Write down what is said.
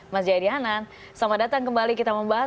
mas jaya dihanan selamat datang kembali kita membahas